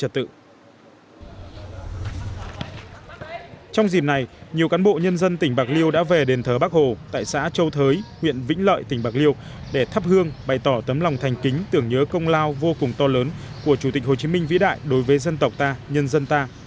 tỉnh bạc liêu đã về đền thờ bắc hồ tại xã châu thới huyện vĩnh lợi tỉnh bạc liêu để thắp hương bày tỏ tấm lòng thành kính tưởng nhớ công lao vô cùng to lớn của chủ tịch hồ chí minh vĩ đại đối với dân tộc ta nhân dân ta